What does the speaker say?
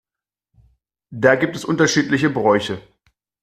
Da gibt es unterschiedliche Bräuche.